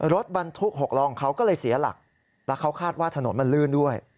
รถบรรทุก๖ล้อของเขาก็เลยเสียหลักแล้วเขาคาดว่าถนนมันลื่นด้วย